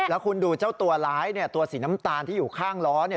แล้วคุณดูเจ้าตัวร้ายเนี่ยตัวสีน้ำตาลที่อยู่ข้างล้อเนี่ย